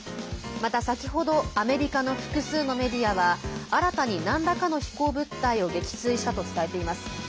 また先ほどアメリカの複数のメディアは新たに、なんらかの飛行物体を撃墜したと伝えています。